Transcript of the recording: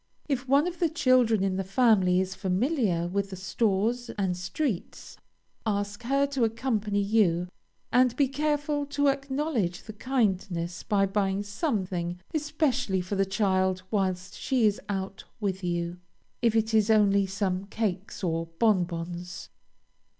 If one of the children in the family is familiar with the stores and streets, ask her to accompany you, and be careful to acknowledge the kindness by buying something especially for the child whilst she is out with you, if it is only some cakes or bonbons.